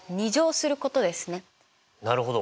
なるほど。